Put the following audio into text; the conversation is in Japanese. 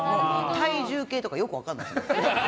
体重計とか、よく分かんない。